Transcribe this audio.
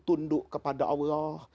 tunduk kepada allah